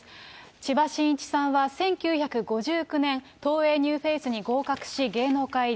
千葉真一さんは１９５９年、東映ニューフェイスに合格し、芸能界入り。